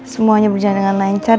semuanya berjalan dengan lancar